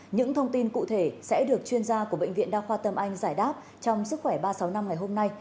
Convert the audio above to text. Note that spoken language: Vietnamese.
những thông tin cụ thể sẽ được chuyên gia của bệnh viện đa khoa tâm anh giải đáp trong sức khỏe ba trăm sáu mươi năm ngày hôm nay